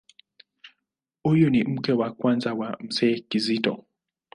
Huyu ni mke wa kwanza wa Mzee Kizito.